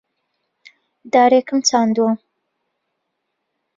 دارێکم چاندووە.